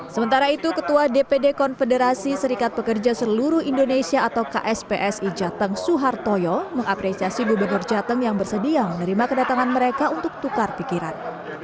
sementara itu ketua dpd konfederasi serikat pekerja seluruh indonesia atau kspsi jateng suhartoyo mengapresiasi gubernur jateng yang bersedia menerima kedatangan mereka untuk tukar pikiran